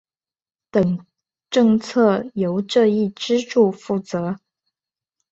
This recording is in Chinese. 等政策由这一支柱负责。